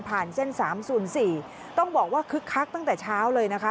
ผ่านเส้นสามศูนย์สี่ต้องบอกว่าคึกคักตั้งแต่เช้าเลยนะคะ